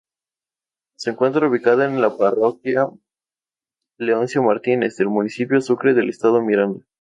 Se encuentra ubicada en la parroquia Leoncio Martínez, del Municipio Sucre del Estado Miranda.